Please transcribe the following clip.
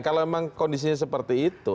kalau memang kondisinya seperti itu